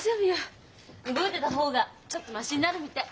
動いてた方がちょっとマシになるみたい。